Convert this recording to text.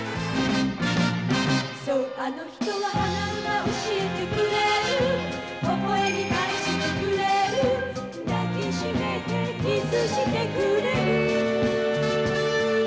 「そうあの人は花の名教えてくれる」「微笑み返してくれる抱きしめてＫｉｓｓしてくれる」